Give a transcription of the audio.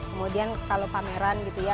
kemudian kalau pameran gitu ya